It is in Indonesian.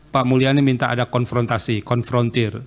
pak mulyani minta ada konfrontasi konfrontir